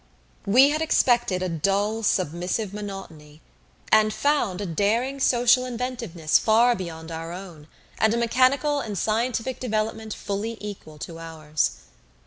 We had expected a dull submissive monotony, and found a daring social inventiveness far beyond our own, and a mechanical and scientific development fully equal to ours.